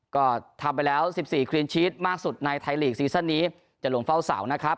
ก็ทำไปแล้ว๑๔ครีนชีสมากสุดในไทยลีกซีซั่นนี้จะลงเฝ้าเสานะครับ